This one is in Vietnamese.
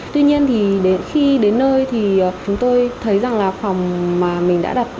tuy nhiên thì đến khi đến nơi thì chúng tôi thấy rằng là phòng mà mình đã đặt